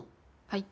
はい。